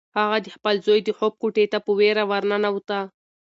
هغه د خپل زوی د خوب کوټې ته په وېره ورننوته.